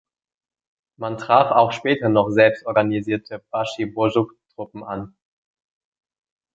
Man traf auch später noch selbst organisierte Başı Bozuk-Truppen an.